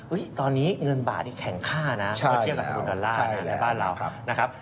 อุ๊ยตอนนี้เงินบาทที่แข่งค่านะเพราะเที่ยวกับสมุดดอลลาร์ในบ้านเรานะครับ